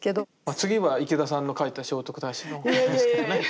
次は池田さんの描いた聖徳太子のお札でね。